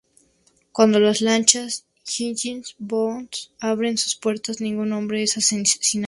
Cuando las lanchas "Higgins boats" abren sus puertas, ningún hombre es asesinado.